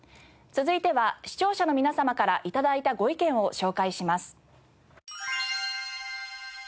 続いては視聴者の皆様から頂いたご意見を紹介します。